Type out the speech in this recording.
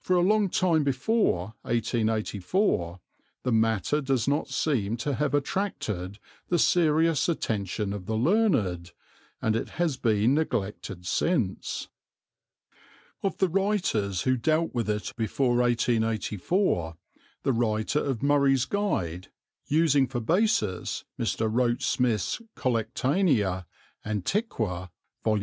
For a long time before 1884 the matter does not seem to have attracted the serious attention of the learned, and it has been neglected since. Of the writers who dealt with it at all before 1884 the writer of Murray's Guide, using for basis Mr. Roach Smith's Collectanea Antiqua, Vol.